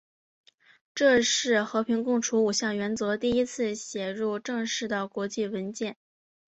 这是和平共处五项原则第一次写入正式的国际文件。